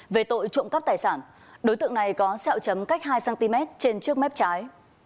về tội trộm cắp tài sản đối tượng này có xeo chấm cách hai cm trên trước mép trái